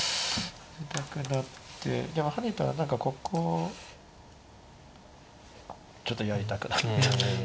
いやハネたら何かここちょっとやりたくなって。